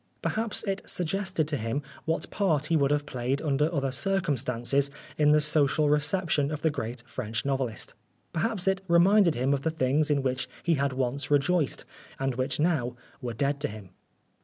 Perhaps it suggested to him what part he would have played under other circumstances in the social reception of the great French novelist. Perhaps it reminded him of the things in which he had once rejoiced, and which now were dead to him.